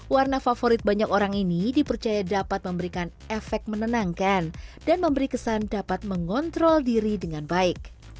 warna favorit banyak orang ini dipercaya dapat memberikan efek menenangkan dan memberi kesan dapat mengontrol diri dengan baik